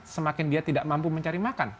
semakin dia tidak mampu mencari makan